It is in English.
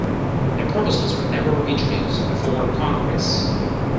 The proposals were never introduced before Congress.